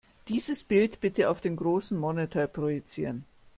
Dieses Bild bitte auf den großen Monitor projizieren.